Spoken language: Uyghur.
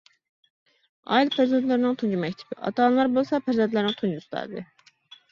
ئائىلە پەرزەنتلەرنىڭ تۇنجى مەكتىپى، ئاتا-ئانىلار بولسا پەرزەنتلەرنىڭ تۇنجى ئۇستازى.